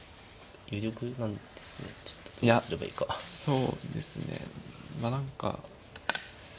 そうですねまあ何か。